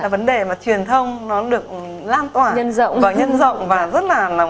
là vấn đề mà truyền thông nó được lan tỏa và nhân rộng và rất là